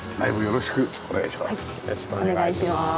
よろしくお願いします。